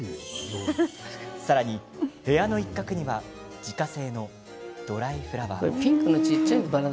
さらに、部屋の一角には自家製のドライフラワーも。